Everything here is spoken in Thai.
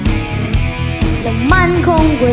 เรียกประกันแล้วยังคะ